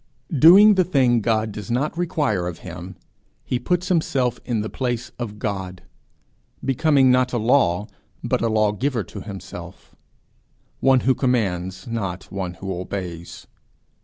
Doing the thing God does not require of him, he puts himself in the place of God, becoming not a law but a law giver to himself, one who commands, not one who obeys.